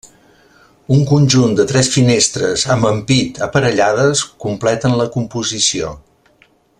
Un conjunt de tres finestres amb ampit aparellades completen la composició.